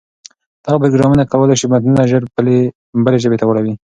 دغه پروګرامونه کولای شي متنونه ژر بلې ژبې ته واړوي.